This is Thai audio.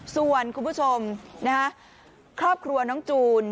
ส่วนคุณผู้ชมครอบครัวน้องจูน